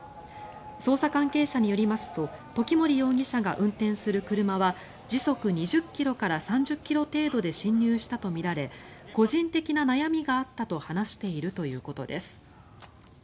捜査関係者によりますと時森容疑者が運転する車は時速２０ｋｍから３０ｋｍ程度で進入したとみられ個人的な悩みがあったと話しているということです。